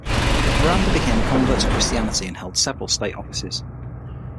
Miranda became a convert to Christianity and held several state offices.